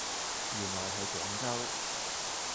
原來係廣州